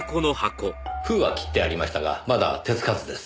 封は切ってありましたがまだ手つかずです。